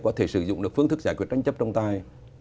có thể sử dụng được phương thức giải quyết tranh chấp trong tài